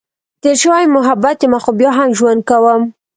تېر شوی محبت یمه، خو بیا هم ژوند کؤم.